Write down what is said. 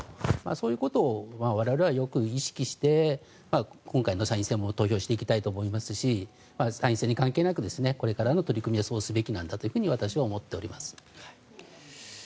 そういうことを我々はよく意識して今回の参院選も投票していきたいと思いますし参院選に関係なくこれからの取り組みはそうすべきなんだと私はそう思っております。